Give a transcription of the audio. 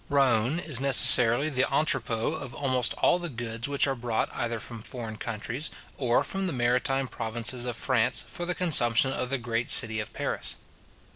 Rouen is necessarily the entrepot of almost all the goods which are brought either from foreign countries, or from the maritime provinces of France, for the consumption of the great city of Paris.